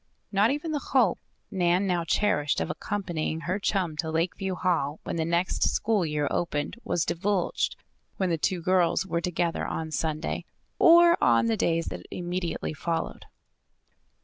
Not even the hope Nan now cherished of accompanying her chum to Lakeview Hall when the next school year opened was divulged when the two girls were together on Sunday, or on the days that immediately followed.